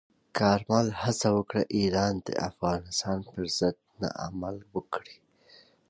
کارمل هڅه وکړه، ایران د افغانستان پر ضد نه عمل وکړي.